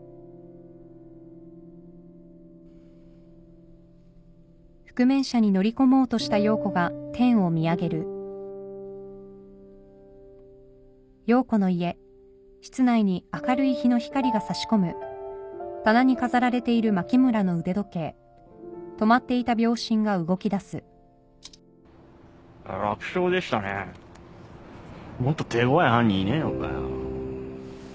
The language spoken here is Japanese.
もっと手ごわい犯人いねえのかよ。